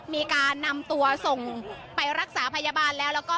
มีการนำตัวส่งไปรักษาพยาบาลแล้วแล้วก็